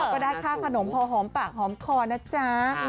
ก็ได้ค่าขนมพอหอมปากหอมคอนะจ๊ะ